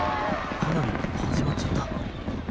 花火始まっちゃった。